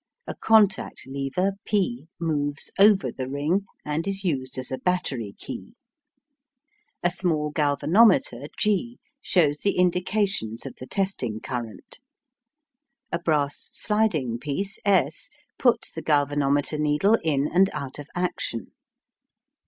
A contact lever P moves over the ring, and is used as a battery key. A small galvanometer G shows the indications of the testing current. A brass sliding piece S puts the galvanometer needle in and out of action.